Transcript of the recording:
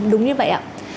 đúng như vậy ạ